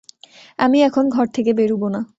আমি এখন ঘর থেকে বেরুব না।